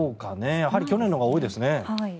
やはり去年のほうが多いですね。